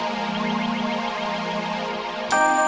sampai jumpa lagi